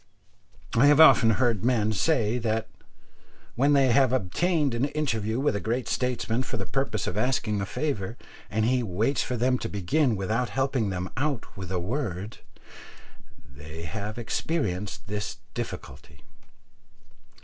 I have often heard men say that when they have obtained an interview with a great statesman for the purpose of asking a favour, and he waits for them to begin without helping them out with a word, they have experienced this difficulty.